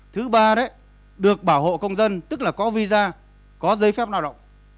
thứ ba đấy được bảo hộ công dân tức là có visa có giấy phép lao động